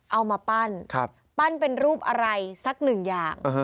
เอามาปั้นปั้นเป็นรูปอะไรสักหนึ่งอย่าง